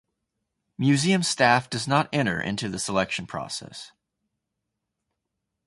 Museum staff does not enter into the selection process.